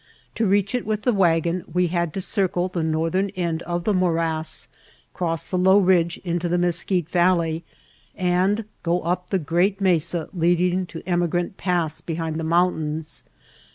To reach it with the wagon we had to circle the northern end of the morass, cross the low ridge into the Mesquite Valley and go up the great mesa leading to Emigrant Pass behind the mountains.